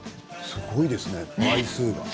すごいですね、枚数が。